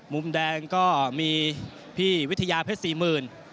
มุมแดงก็มีพี่วิทยาเพชร๔๐๐๐๐